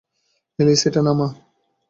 Alice, এটা নামা!